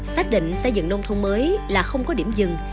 xác định xây dựng nông thôn mới là không có điểm dừng